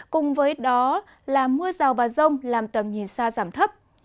cùng với đó là mưa rào và rông làm tầm nhìn xa giảm thấp